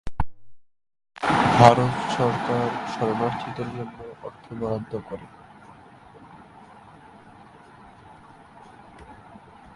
ভারত সরকার শরণার্থীদের জন্য অর্থ বরাদ্দ করে।